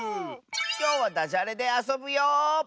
きょうはダジャレであそぶよ！